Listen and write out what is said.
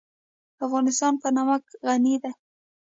افغانستان په نمک غني دی.